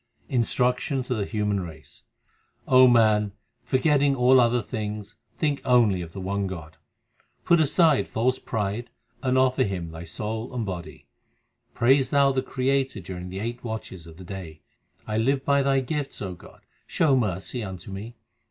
Instruction to the human race : man, forgetting all other things, think only of the one God; Put aside false pride and offer Him thy soul and body ; Praise thou the Creator during the eight watches of the day. 1 live by Thy gifts, O God, show mercy unto me.